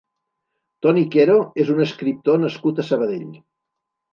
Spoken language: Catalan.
Toni Quero és un escriptor nascut a Sabadell.